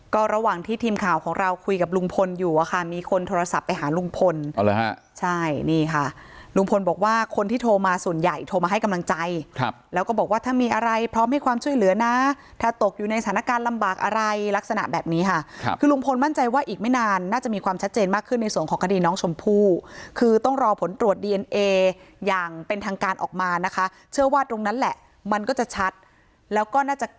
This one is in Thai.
ก็ระหว่างที่ทีมข่าวของเราคุยกับลุงพลอยู่อ่ะค่ะมีคนโทรศัพท์ไปหาลุงพลใช่นี่ค่ะลุงพลบอกว่าคนที่โทรมาส่วนใหญ่โทรมาให้กำลังใจแล้วก็บอกว่าถ้ามีอะไรพร้อมให้ความช่วยเหลือนะถ้าตกอยู่ในสถานการณ์ลำบากอะไรลักษณะแบบนี้ค่ะคือลุงพลมั่นใจว่าอีกไม่นานน่าจะมีความชัดเจนมากขึ้นในส่วนข